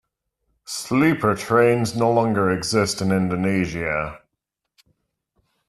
Sleeper trains no longer exist in Indonesia.